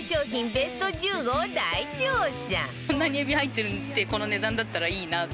ベスト１５を大調査